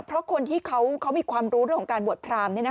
เพราะคนที่เขามีความรู้เรื่องการบวชพรามเนี่ยนะคะ